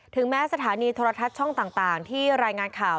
แม้สถานีโทรทัศน์ช่องต่างที่รายงานข่าว